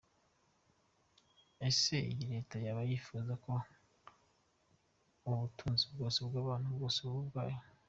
Ese iyi leta yaba yifuza ko ubutunzi bwose bw’abantu bwose buba ubwayo?